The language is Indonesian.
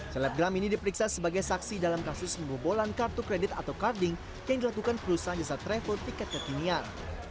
selebgram ini diperiksa sebagai saksi dalam kasus membobolan kartu kredit atau carding yang dilakukan perusahaan jasa travel tiket kekinian